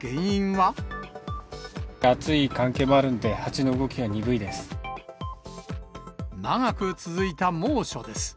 暑い関係もあるんで、長く続いた猛暑です。